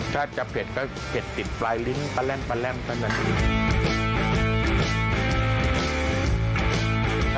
ถ้าจะเผ็ดก็เผ็ดติดปลายลิ้นปะแร่มตั้งแต่น้ำพริก